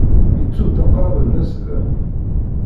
Yettu-d aqrab-nnes da.